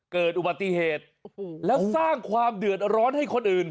เกิดอุบัติเหตุแล้วสร้างความเดือดร้อนให้คนอื่น